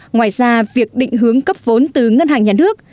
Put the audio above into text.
ngoài ra việc định hướng cấp vốn từ ngân hàng nhà nước